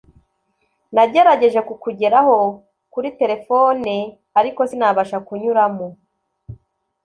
nagerageje kukugeraho kuri terefone, ariko sinabasha kunyuramo